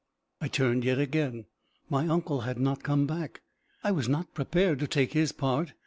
I turned yet again. My uncle had not come back. I was not prepared to take his part.